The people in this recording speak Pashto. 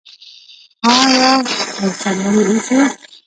آیا او سرلوړي اوسو؟